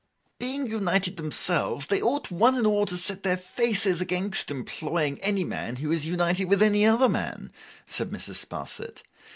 'Being united themselves, they ought one and all to set their faces against employing any man who is united with any other man,' said Mrs. Sparsit.